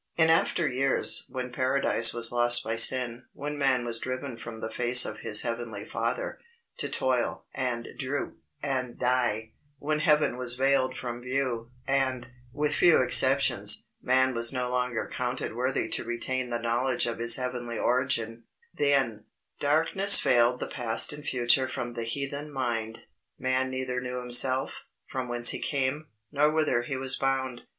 In after years, when Paradise was lost by sin; when man was driven from the face of his heavenly Father, to toil, and droop, and die; when heaven was veiled from view; and, with few exceptions, man was no longer counted worthy to retain the knowledge of his heavenly origin; then, darkness veiled the past and future from the heathen mind; man neither knew himself, from whence he came, nor whither he was bound.